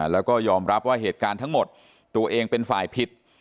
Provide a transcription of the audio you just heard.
แล้วก็ยอมรับว่าเหตุการณ์ทั้งหมดตัวเองเป็นฝ่ายผิด